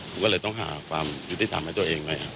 ผมก็เลยต้องหาความยุติธรรมให้ตัวเองไว้